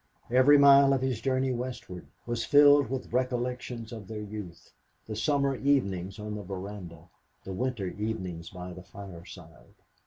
Every mile of his journey westward was filled with recollections of their youth, the summer evenings on the veranda, the winter evenings by the fireside.